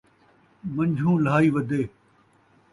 من٘جھوں لہائی ودے